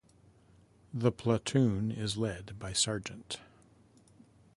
The platoon is lead by Sgt.